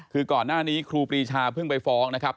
คือก่อนหน้านี้ครูปรีชาเพิ่งไปฟ้องนะครับ